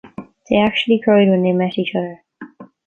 They actually cried when they met each other.